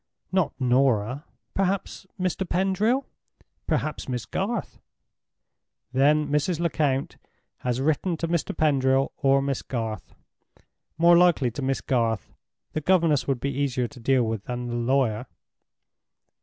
"Not Norah! Perhaps Mr. Pendril. Perhaps Miss Garth." "Then Mrs. Lecount has written to Mr. Pendril or Miss Garth—more likely to Miss Garth. The governess would be easier to deal with than the lawyer."